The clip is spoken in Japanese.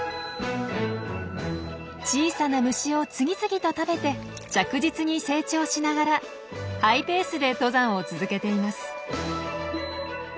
小さな虫を次々と食べて着実に成長しながらハイペースで登山を続けています。